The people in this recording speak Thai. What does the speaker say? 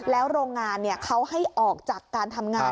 แล้วโรงงานเขาให้ออกจากการทำงาน